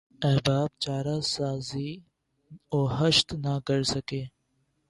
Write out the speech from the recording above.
احباب چارہ سازی وحشت نہ کرسکے